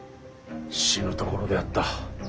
死ぬところであった。